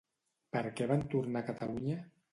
Per què van tornar a Catalunya?